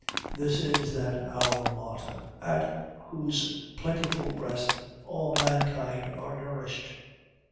This is that alma mater at whose plentiful breast all mankind are nourished.